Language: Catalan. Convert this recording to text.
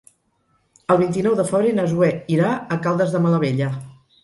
El vint-i-nou de febrer na Zoè irà a Caldes de Malavella.